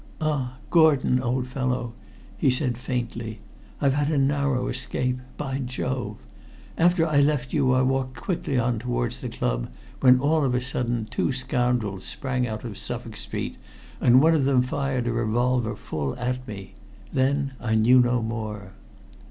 "Ah, Gordon, old fellow!" he said faintly, "I've had a narrow escape by Jove! After I left you I walked quickly on towards the club, when, all of a sudden, two scoundrels sprang out of Suffolk Street, and one of them fired a revolver full at me. Then I knew no more."